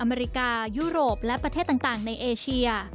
อเมริกายุโรปและประเทศต่างในเอเชีย